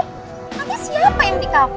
nanti siapa yang di kafe